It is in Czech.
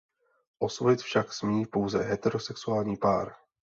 Osvojit však smí pouze heterosexuální pár.